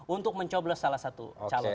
untuk mencoblos salah satu calon